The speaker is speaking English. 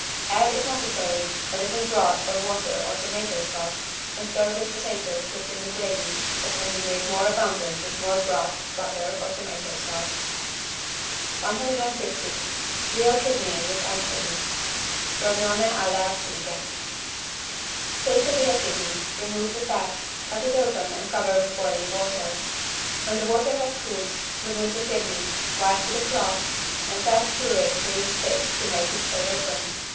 Add, if necessary, a little broth or water or tomato sauce and serve with potatoes cooked in the gravy that can be made more abundant with more broth, butter and tomato sauce. 150 VEAL KIDNEY WITH ANCHOVY (Rognone alle acciughe) Take a veal kidney, remove the fat, cut it open and cover with boiling water. When the water has cooled, remove the kidney, wipe with a cloth, and pass through it clean sticks to make it stay open.